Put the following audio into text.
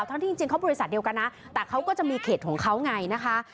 ทั้งที่จริงเขาบริษัทเดียวกันนะแต่เขาก็จะมีเขตของเขาไงนะคะ